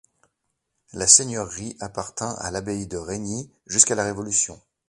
La seigneurie appartint à l'abbaye de Reigny jusqu'à la Révolution.